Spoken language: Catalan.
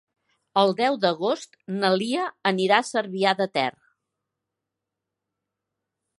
El deu d'agost na Lia anirà a Cervià de Ter.